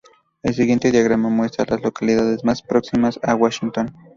El siguiente diagrama muestra a las localidades más próximas a Washington.